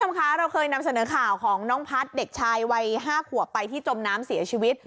คุณผู้ชมคะเราเคยนำเสนอข่าวของน้องพัฒน์เด็กชายวัย๕ขวบไปที่จมน้ำเสียชีวิต